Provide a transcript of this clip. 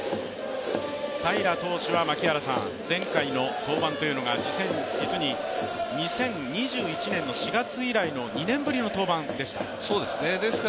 平良投手は前回の登板が実に２０２１年４月以来の２年ぶりの登板ですか。